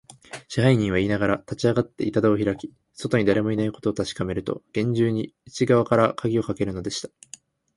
支配人はいいながら、立ちあがって、板戸をひらき、外にだれもいないことをたしかめると、げんじゅうに内がわからかぎをかけるのでした。